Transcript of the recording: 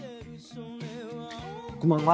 こんばんは。